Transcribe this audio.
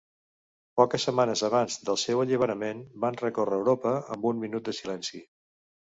Poques setmanes abans del seu alliberament van recórrer Europa amb un minut de silenci.